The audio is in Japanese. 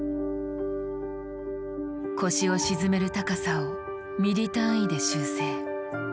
腰を沈める高さをミリ単位で修正。